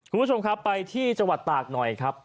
คุณผู้ชมครับไปที่จังหวัดตากหน่อยครับ